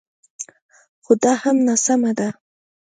خو دا هم ناسمه ده